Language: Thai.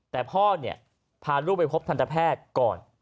แต่พ่อเนี่ยพาลูกไปพบทันตแพทย์ก่อน